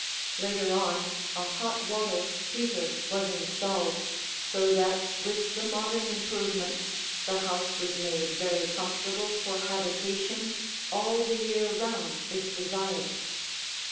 Later on, a hot water heater was installed, so that with the modern improvements the house was made very comfortable for habitation all the year round if desired.